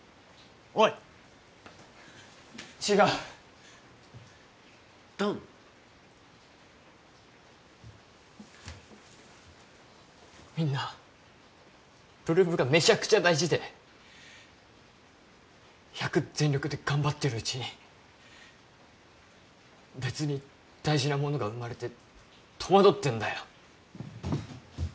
おいっ違う弾みんな８ＬＯＯＭがめちゃくちゃ大事で１００全力で頑張ってるうちに別に大事なものが生まれて戸惑ってんだよ